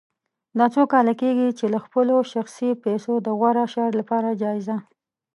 دا څو کاله کېږي چې له خپلو شخصي پیسو د غوره شعر لپاره جایزه